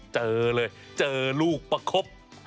เจอเลยเจอลูกประคบ